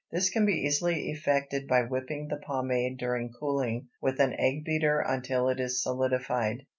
This can be easily effected by whipping the pomade during cooling with an egg beater until it is solidified.